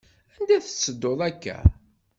Anda i tettedduḍ akka?